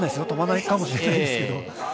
飛ばないかもしれないですけど。